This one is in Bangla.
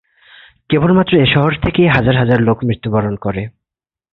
কেবলমাত্র এ শহর থেকেই হাজার হাজার লোক মৃত্যুবরণ করে।